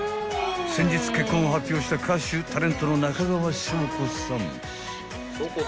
［先日結婚を発表した歌手・タレントの中川翔子さん］